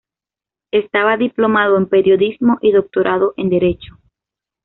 Estaba diplomado en Periodismo y doctorado en Derecho.